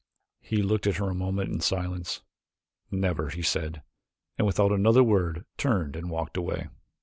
He looked at her a moment in silence. "Never," he said, and without another word turned and walked away.